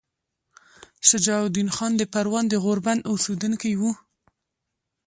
شجاع الدین خان د پروان د غوربند اوسیدونکی وو.